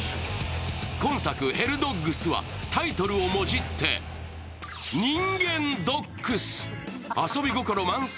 今作「ヘルドッグス」は、タイトルをもじって人間ドッグス。